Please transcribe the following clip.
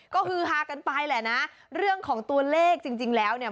ก็คือฮากันไปแหละนะเรื่องของตัวเลขจริงแล้วเนี่ย